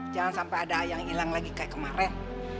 jangan sampai ada yang ilang lagi kayak kemaren